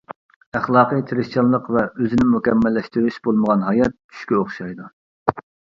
ئەخلاقىي تىرىشچانلىق ۋە ئۆزىنى مۇكەممەللەشتۈرۈش بولمىغان ھايات چۈشكە ئوخشايدۇ.